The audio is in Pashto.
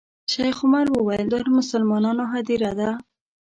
شیخ عمر وویل دا د مسلمانانو هدیره ده.